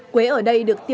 quế ở đây được thu nhập